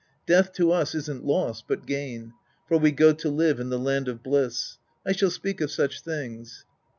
Death to us isn't loss,* but gain. For we go to live in the land of bliss. I shall speak of such things.